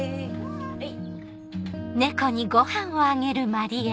はい。